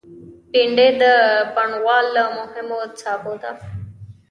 بېنډۍ د بڼوال له مهمو سابو ده